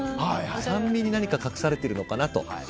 酸味に何か隠されているのかなと。